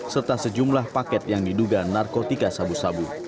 serta sejumlah paket yang diduga narkotika sabu sabu